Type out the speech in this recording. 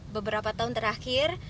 beberapa tahun terakhir